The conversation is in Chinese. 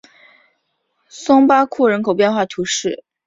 松巴库人口变化图示